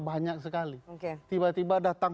banyak sekali tiba tiba datang